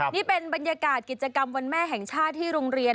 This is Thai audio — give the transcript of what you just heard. นี่เป็นบรรยากาศกิจกรรมวันแม่แห่งชาติที่โรงเรียน